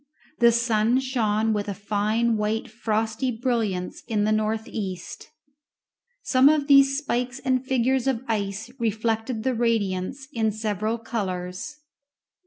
The sun shone with a fine white frosty brilliance in the north east; some of these spikes and figures of ice reflected the radiance in several colours.